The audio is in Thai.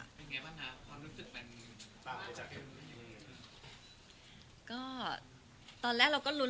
เป็นยังไงบ้างครับพอรู้สึกมันต่างไปจากคุณ